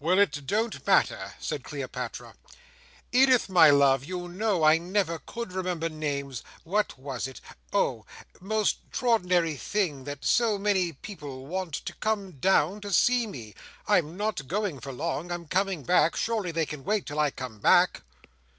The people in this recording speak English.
"Well, it don't matter," said Cleopatra. "Edith, my love, you know I never could remember names—what was it? oh!—most trordinry thing that so many people want to come down to see me. I'm not going for long. I'm coming back. Surely they can wait, till I come back!"